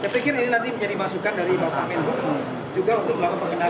saya pikir ini nanti menjadi masukan dari bapak menko juga untuk melakukan pengendalian